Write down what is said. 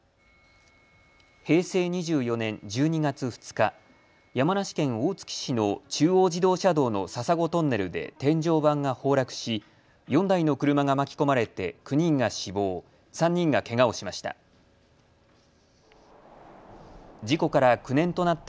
平成２４年１２月２日、山梨県大月市の中央自動車道の笹子トンネルで天井板が崩落し４台の車が巻き込まれて９人が死亡、３人がけがをしました。